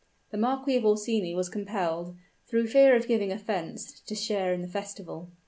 The Marquis of Orsini was compelled, through fear of giving offense, to share in the festival.